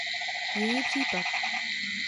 Jiný případ.